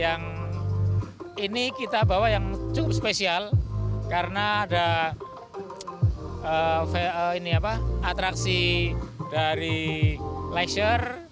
yang ini kita bawa yang cukup spesial karena ada atraksi dari leisure